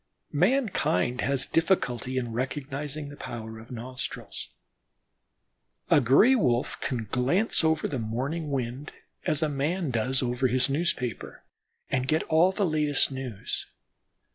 Mankind has difficulty in recognizing the power of nostrils. A Gray wolf can glance over the morning wind as a man does over his newspaper, and get all the latest news.